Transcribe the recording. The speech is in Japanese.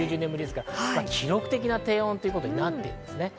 記録的な低温ということになります。